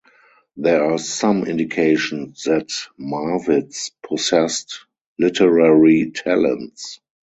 There are some indications that Marwitz possessed literary talents.